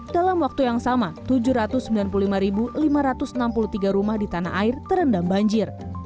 dalam waktu yang sama tujuh ratus sembilan puluh lima lima ratus enam puluh tiga rumah di tanah air terendam banjir